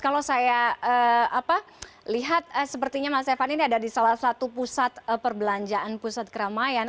kalau saya lihat sepertinya mas evan ini ada di salah satu pusat perbelanjaan pusat keramaian